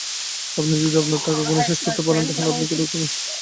আপনি যদি আপনার টাকা গুনে শেষ করতে পারেন, তাহলে আপনি কোটিপতি নন।